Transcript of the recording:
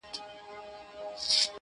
له هر ځایه یې مړۍ په خوله کوله،